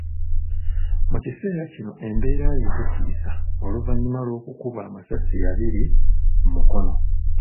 Mu kiseera kino embeera ye tetiisa oluvannyuma lw’okukubwa amasasi abiri mu mukono.